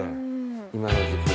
今の時季。